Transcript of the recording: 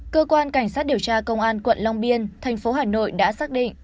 cơ quan cảnh sát điều tra công an quận long biên tp hà nội đã xác định